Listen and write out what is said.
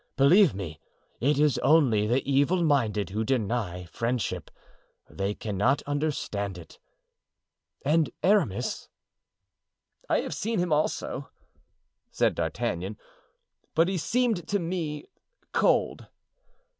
Believe me, it is only the evil minded who deny friendship; they cannot understand it. And Aramis?" "I have seen him also," said D'Artagnan; "but he seemed to me cold."